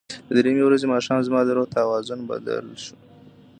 د درېیمې ورځې ماښام زما د روح توازن بدل شو.